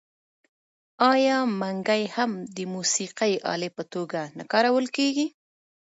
آیا منګی هم د موسیقۍ الې په توګه نه کارول کیږي؟